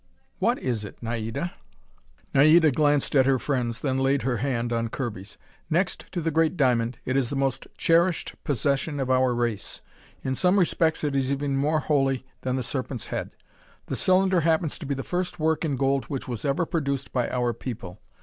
"What is it, Naida?" Naida glanced at her friends, then laid her hand on Kirby's. "Next to the great diamond, it is the most cherished possession of our race. In some respects it is even more holy than the Serpent's head. The cylinder happens to be the first work in gold which was ever produced by our people.